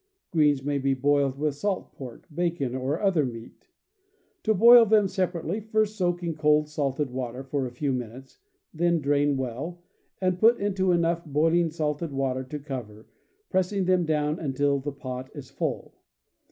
Greens may be boiled with salt pork, bacon, or other meat. To boil them separately: first soak in cold salted water for a few minutes, then drain well, and put into enough boiling salted water to cover, pressing them down until the pot is full.